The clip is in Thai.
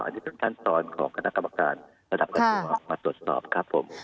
อันนี้เป็นขั้นตอนของคณะกรรมการระดับกระทรวงมาตรวจสอบครับผม